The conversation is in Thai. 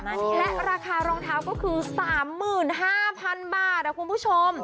และราคารองเท้าก็คือ๓๕๐๐๐บาทคุณผู้ชม